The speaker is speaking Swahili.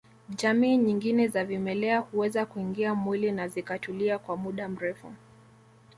Jamii nyingine za vimelea huweza kuingia mwili na zikatulia kwa muda mrefu